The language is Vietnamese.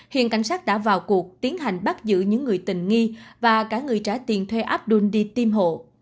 hiện cảnh sát đã vào cuộc tiến hành bắt giữ những người tình nghi và cả người trả tiền thuê apdul đi tiêm hộ